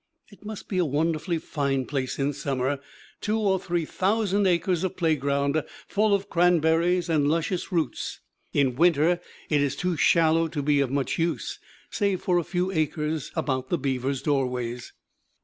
It must be a wonderfully fine place in summer two or three thousand acres of playground, full of cranberries and luscious roots. In winter it is too shallow to be of much use, save for a few acres about the beavers' doorways.